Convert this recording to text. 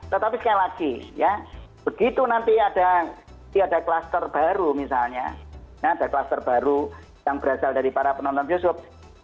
tetapi sekali lagi ya begitu nanti ada kluster baru misalnya ada kluster baru yang berasal dari para penonton bioskop